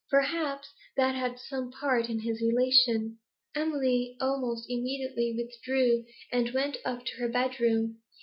Perhaps that had some part in his elation. Emily almost immediately withdrew and went up to her bedroom.